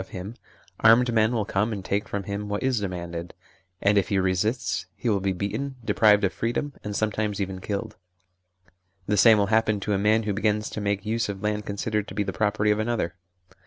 go THE SLAVERY OF OUR TIMES of him, armed men will come and take from him what is demanded, and if he resists he will be beaten, deprived of freedom, and sometimes even killed. The same will happen to a man who begins to make use of land considered to be the property of another.